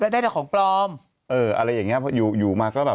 ได้แต่ของปลอม